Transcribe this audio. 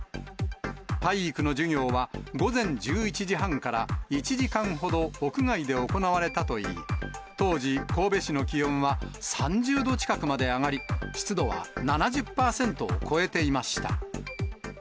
体育の授業は、午前１１時半から１時間ほど屋外で行われたといい、当時、神戸市の気温は３０度近くまで上がり、湿度は７０％を超えていました。